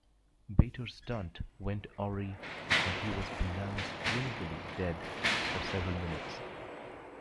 Bator's stunt went awry and he was pronounced clinically dead for several minutes.